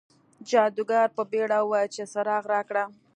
جادوګر په بیړه وویل چې څراغ راکړه.